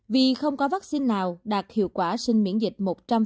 vì không có vaccine nào đạt hiệu quả sinh miễn dịch một trăm linh